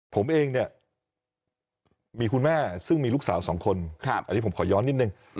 ผมเองเนี่ยมีคุณแม่ซึ่งมีลูกสาวสองคนอันนี้ผมขอย้อนนิดนึง